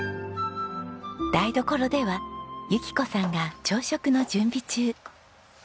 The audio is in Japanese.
台所では由紀子さんが朝食の準備中。